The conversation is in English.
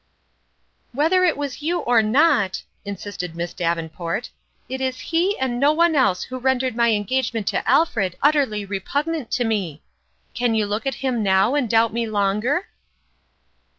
" Whether it was you or not," insisted Miss Davenport, " it is he and no one else who rendered my engagement to Alfred utterly repugnant to me ! Can you look at him now, and doubt me longer